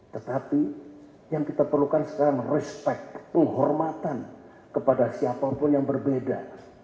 tetapi yang kita perlukan sekarang respect penghormatan kepada siapapun yang berbeda